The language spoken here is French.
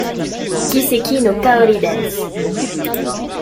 Kiseki no Kaori Dance.